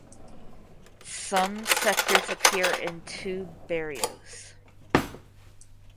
Some sectors appear in two barrios.